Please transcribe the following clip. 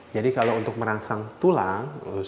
jadi kalau untuk merangsang tulang